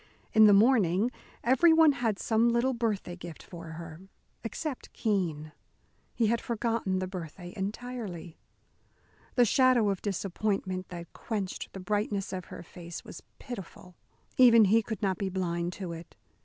In the morning everyone had some little birthday gift for her, except Keene. He had forgotten the birthday entirely. The shadow of disappointment that quenched the brightness of her face was pitiful. Even he could not be blind to it.